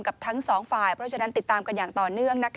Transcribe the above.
ทั้งสองฝ่ายเพราะฉะนั้นติดตามกันอย่างต่อเนื่อง